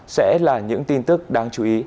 sẽ là những tin tức đáng chú ý